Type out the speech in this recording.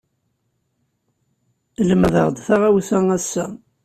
Lemdeɣ-d taɣawsa ass-a.